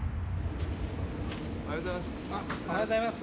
・おはようございます。